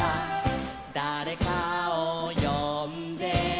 「だれかをよんで」